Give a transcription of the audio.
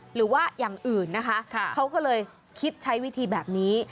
หรือว่าอย่างอื่นนะคะเขาก็เลยคิดใช้วิธีแบบนี้